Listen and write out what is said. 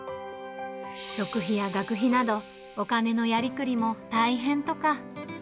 食費や学費など、お金のやりくりも大変とか。